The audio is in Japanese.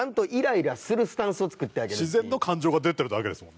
自然と感情が出てるだけですもんね。